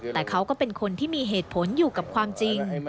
แต่เขาก็เป็นคนที่มีเหตุผลอยู่กับความจริง